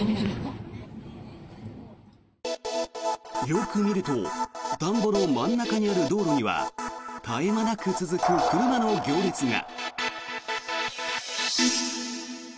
よく見ると田んぼの真ん中にある道路には絶え間なく続く車の行列が。